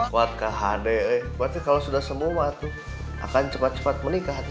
waduh kak hadeh berarti kalau sudah semua tuh akan cepat cepat menikah sama abah